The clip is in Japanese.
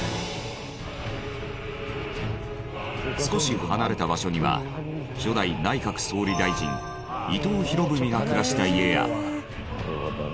少し離れた場所には初代内閣総理大臣伊藤博文が暮らした家や。